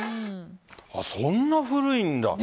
そんな古いんだ。